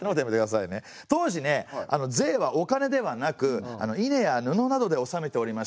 当時ね税はお金ではなく稲や布などで納めておりました。